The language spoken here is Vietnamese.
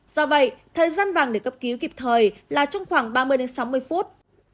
do vậy thời gian vàng để cấp cứu kịp thời là trong khoảng ba mươi sáu mươi phút